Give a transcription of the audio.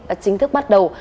đã chính thức bắt đầu